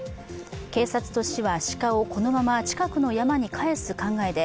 警察と市は鹿をこのまま近くの森に帰す考えで